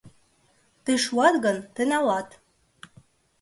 Тый шуат гын, тый налат.